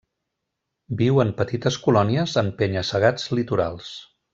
Viu en petites colònies en penya-segats litorals.